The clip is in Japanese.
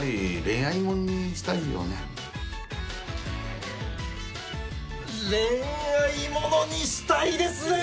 恋愛ものにしたいですね！